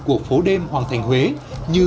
của phố đêm hoàng thành huế như